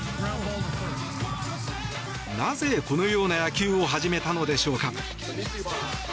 なぜこのような野球を始めたのでしょうか。